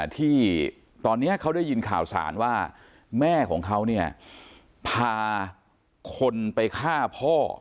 ที่ตอนนี้เขาได้ยินข่าวสารว่าแม่ของเขาเนี่ยพาคนไปฆ่าพ่อ